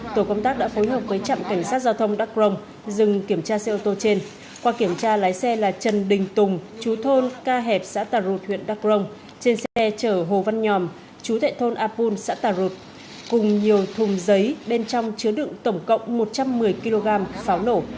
tổ công tác đã phối hợp với trạm cảnh sát giao thông đắk rông dừng kiểm tra xe ô tô trên qua kiểm tra lái xe là trần đình tùng chú thôn ca hẹp xã tà rột huyện đắk rồng trên xe chở hồ văn nhòm chú tệ thôn a pun xã tà rột cùng nhiều thùng giấy bên trong chứa đựng tổng cộng một trăm một mươi kg pháo nổ